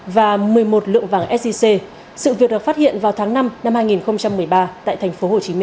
và một mươi một lượng vàng sic sự việc được phát hiện vào tháng năm năm hai nghìn một mươi ba tại tp hcm